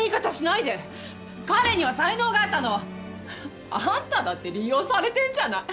彼には才能があったの！あんただって利用されてんじゃない！